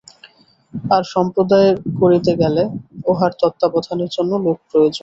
আর সম্প্রদায় করিতে গেলে উহার তত্ত্বাবধানের জন্য লোক প্রয়োজন।